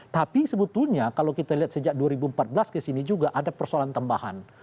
tapi sebetulnya kalau kita lihat sejak dua ribu empat belas kesini juga ada persoalan tambahan